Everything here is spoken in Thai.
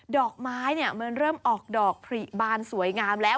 ดอกไม้มันเริ่มออกดอกผลิบานสวยงามแล้ว